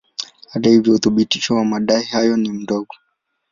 Hata hivyo uthibitisho wa madai hayo ni mdogo.